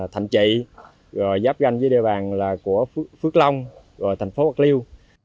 thạnh trị giáp ganh với địa bàn là của phước long thành phố bạc liêu